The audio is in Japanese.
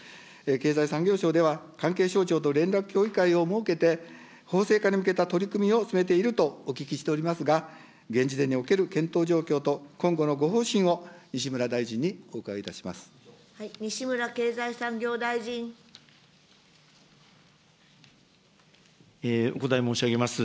経済産業省では、関係省庁と連絡協議会を設けて、法制化に向けた取り組みを進めているとお聞きをしておりますが、現時点における検討状況と、今後のご方針を西村大臣にお伺いをいたします。